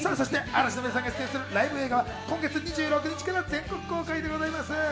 嵐の皆さんが出演するライブ映画は今月２６日から全国公開です。